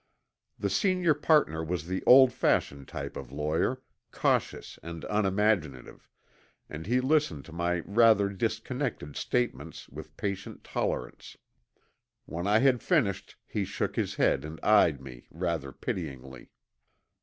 The senior partner was the old fashioned type of lawyer, cautious and unimaginative, and he listened to my rather disconnected statements with patient tolerance. When I had finished he shook his head and eyed me rather pityingly.